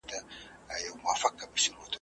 په نیمه شپه کي هم وخوب ته ښاماران نه راځي